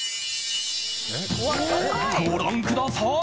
［ご覧ください］